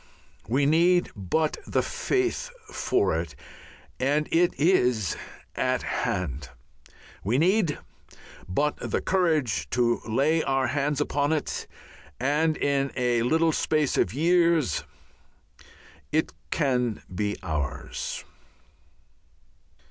We need but the faith for it, and it is at hand; we need but the courage to lay our hands upon it and in a little space of years it can be ours.